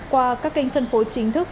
qua các kênh phân phối chính thức